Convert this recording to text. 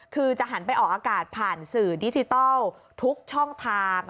คือจะหันไปออกอากาศผ่านสื่อดิจิทัลทุกช่องทาง